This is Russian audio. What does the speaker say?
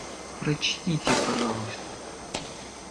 Прочтите, пожалуйста.